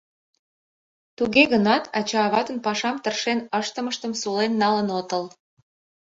Туге гынат ачат-аватын пашам тыршен ыштымыштым сулен налын отыл.